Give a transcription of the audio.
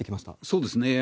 そうですね。